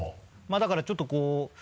だからちょっとこう。